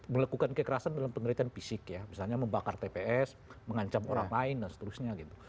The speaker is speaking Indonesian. melakukan kekerasan dalam penelitian fisik ya misalnya membakar tps mengancam orang lain dan seterusnya gitu